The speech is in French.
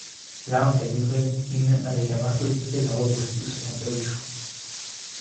L’arme est livrée d’usine avec un marteau équipé d'un repose-pouce en caoutchouc.